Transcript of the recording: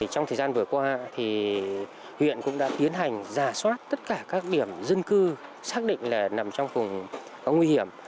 trong thời gian vừa qua huyện cũng đã tiến hành giả soát tất cả các điểm dân cư xác định là nằm trong vùng có nguy hiểm